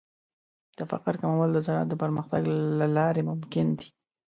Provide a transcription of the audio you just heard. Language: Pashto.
د فقر کمول د زراعت د پرمختګ له لارې ممکن دي.